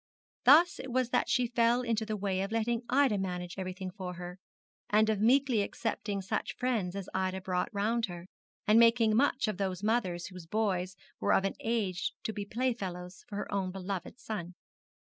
Thus it was that she fell into the way of letting Ida manage everything for her, and of meekly accepting such friends as Ida brought round her, and making much of those mothers whose boys were of an age to be play fellows for her own beloved son.